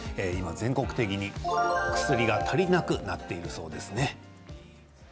全国的に薬が足りなくなっているそうですね。